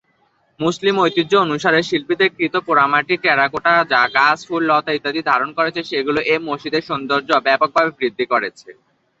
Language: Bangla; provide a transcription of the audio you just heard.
মুসলিম ঐতিহ্য অনুসারে শিল্পীদের কৃত পোড়ামাটির টেরাকোটা যা গাছ-ফুল-লতা ইত্যাদি ধারণ করেছে সেগুলো এ মসজিদের সৌন্দর্য ব্যাপকভাবে বৃদ্ধি করেছে।